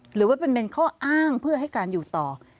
หรือว่าเป็นข้ออ้างเพื่อให้การอยู่ต่อ